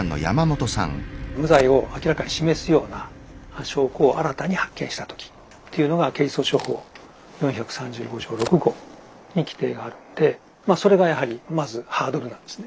無罪を明らかに示すような証拠を新たに発見したときっていうのが刑事訴訟法４３５条６号に規定があるのでまあそれがやはりまずハードルなんですね。